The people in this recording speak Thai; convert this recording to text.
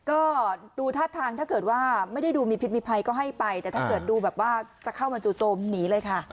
ก็ดูท่าทางถ้าเกิดว่าไม่ได้ดูมีพิษมีภัยก็ให้ไปแต่ถ้าเกิดดูแบบว่าจะเข้ามาจู่โจมหนีเลยค่ะ